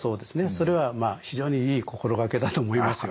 それはまあ非常にいい心掛けだと思いますよ。